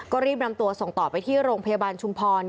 ก็รีบนำตัวส่งต่อไปที่โรงพยาบาลชุมพร